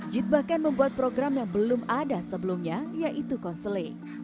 jit bahkan membuat program yang belum ada sebelumnya yaitu konseling